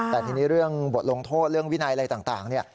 แต่ทีนี้เรื่องบทลงโทษเรื่องวินัยอะไรต่างเนี่ย